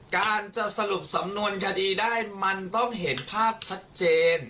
การจะสรุปสำนวนคดีได้มันต้องเห็นภาพชัดเจน